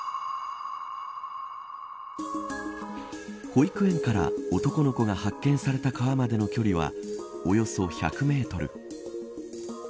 保育園から男の子が発見された川までの距離はおよそ１００メートル。